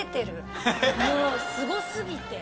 もうすご過ぎて。